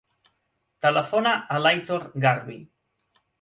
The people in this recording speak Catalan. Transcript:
Telefona a l'Aitor Garvi.